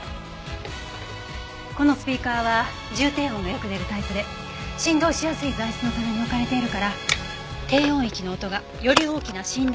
このスピーカーは重低音がよく出るタイプで振動しやすい材質の棚に置かれているから低音域の音がより大きな振動を生むの。